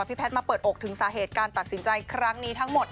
แพทย์มาเปิดอกถึงสาเหตุการตัดสินใจครั้งนี้ทั้งหมด